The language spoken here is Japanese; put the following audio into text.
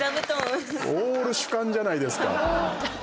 オール主観じゃないですか。